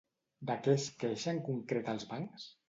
De què es queixa en concret als bancs?